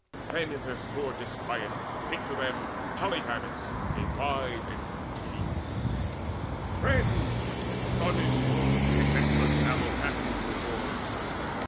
Then in their sore disquiet spake to them Polydamas, a wise and prudent chief: "Friends, unendurably against us now Maddens the war.